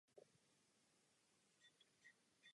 Vojáci si často z vlasti přinášeli své zvyky a náboženství.